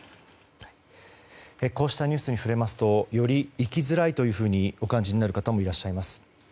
こうしたニュースに触れますと、より生きづらいとお感じになる方もいらっしゃいます。